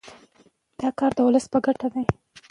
دا کار د ولس په ګټه دی.